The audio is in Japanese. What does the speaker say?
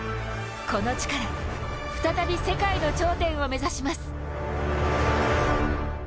この地から再び世界の頂点を目指します。